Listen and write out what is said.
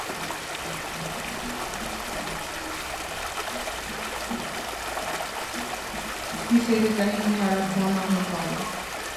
He stated that he had a form of lymphoma.